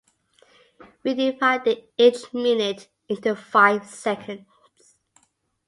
We divided each minute into five seconds.